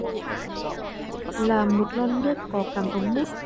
Là một lon nước ngọt có cắm ống mút